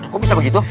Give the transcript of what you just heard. kok bisa begitu